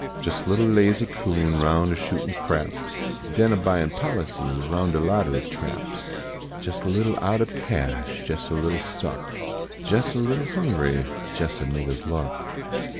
Jes a little lazy coon roiin a shootin craps, Den a buyin policies roun de lottery traps ; Jes a little out ob cash, jes a little stuck ; Jes a little hungry, jes a niggah s luck.